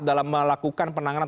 dalam melakukan penanganan